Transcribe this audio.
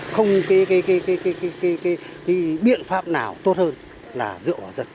không cái biện pháp nào tốt hơn là dựa vào dân